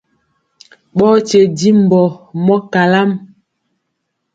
Ɓɔɔ nkye njiŋ mbɔ mɔ kalam.